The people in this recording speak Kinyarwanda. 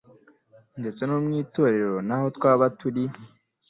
ndetse no mu itorero n'aho twaba turi